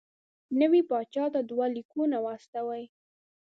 نوي پاچا ته دوه لیکونه واستوي.